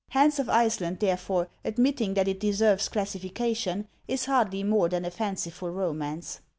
" Hans of Iceland," therefore, admitting that it deserves classification, is hardly more than a fanciful romance.